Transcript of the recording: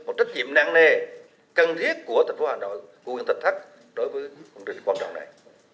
trách nhiệm năng nề cần thiết của thành phố hà nội khu huyện thạch thất đối với công trình quan trọng này